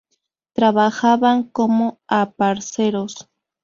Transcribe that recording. Trabajaban como aparceros.